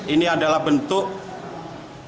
ini adalah bentuk kecintaan